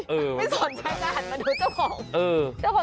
ไม่สนใช้งานใหม่ดูเจ้าผอง